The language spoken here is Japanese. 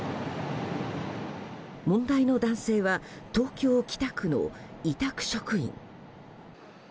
問題の男性は東京・北区の委託職員。